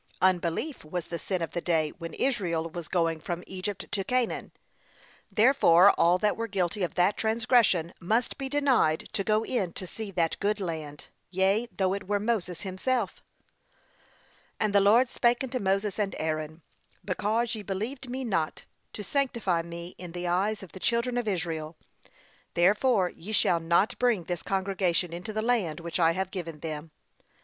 Unbelief was the sin of the day when Israel was going from Egypt to Canaan; therefore all that were guilty of that transgression must be denied to go in to see that good land, yea, though it were Moses himself. 'And the Lord spake unto Moses and Aaron, Because ye believed me not, to sanctify me in the eyes of the children of Israel, therefore ye shall not bring this congregation into the land which I have given them.'